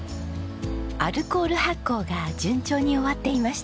アルコール発酵が順調に終わっていました。